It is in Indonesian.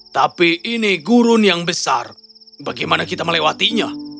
tapi ini gurun yang besar bagaimana kita melewatinya